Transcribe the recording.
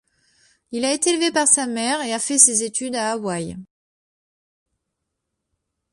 Il a été élevé par sa mère et a fait ses études à Hawaï.